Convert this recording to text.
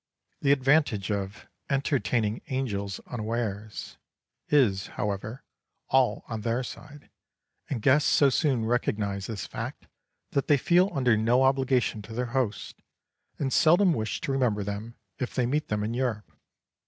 The advantage of "entertaining angels unawares" is, however, all on their side, and guests so soon recognise this fact, that they feel under no obligation to their hosts, and seldom wish to remember them if they meet them in Europe.